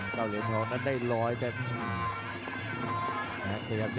เก่าครับ